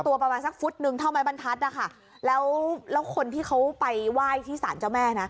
ตัวประมาณสักฝุ่นหนึ่งเท่าไม้บรรทัศน์แล้วคนที่เขาไปว่ายที่สารเจ้าแม่